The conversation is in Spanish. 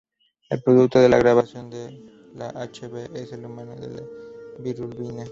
El producto de la degradación de la Hb en el humano es la bilirrubina.